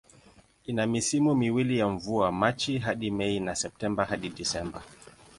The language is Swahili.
Ina misimu miwili ya mvua, Machi hadi Mei na Septemba hadi Disemba.